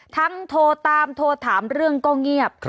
โทรตามโทรถามเรื่องก็เงียบ